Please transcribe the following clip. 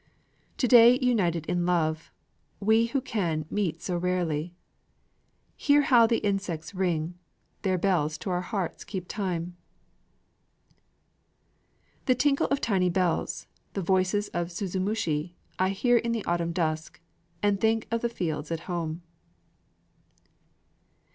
To day united in love, we who can meet so rarely! Hear how the insects ring! their bells to our hearts keep time. The tinkle of tiny bells, the voices of suzumushi, I hear in the autumn dusk, and think of the fields at home.